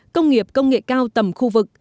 công nghiệp công nghệ cao tầm khu vực